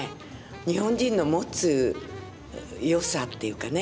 日本人の持つ良さっていうかね